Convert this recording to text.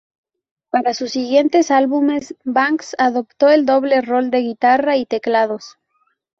Para sus siguientes álbumes, Banks adoptó el doble rol de guitarra y teclados.